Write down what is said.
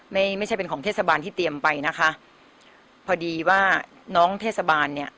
ไม่ใช่เป็นของเทศบาลที่เตรียมไปนะคะพอดีว่าน้องเทศบาลเนี่ย